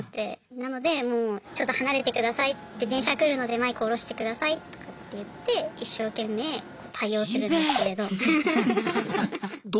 なのでもうちょっと離れてくださいって電車来るのでマイク下ろしてくださいとかって言って一生懸命対応するんですけれど。